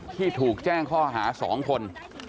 ที่ถูกแจ้งข้อหา๒คน